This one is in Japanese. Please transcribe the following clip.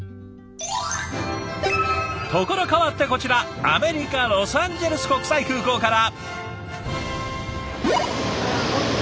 ところ変わってこちらアメリカロサンゼルス国際空港から。